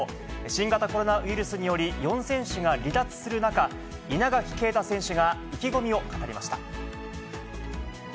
新型コロナウイルスにより４選手が離脱する中、稲垣啓太選手が意気込みを語りました。